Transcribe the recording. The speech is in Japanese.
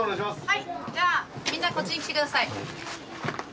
はいじゃあみんなこっちに来て下さい。